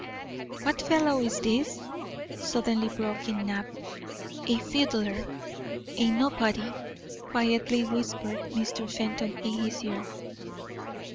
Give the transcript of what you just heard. "What fellow is this?" suddenly broke in Knapp. "A fiddler, a nobody," quietly whispered Mr. Fenton in his ear.